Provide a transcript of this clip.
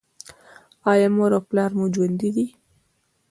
ایا مور او پلار مو ژوندي دي؟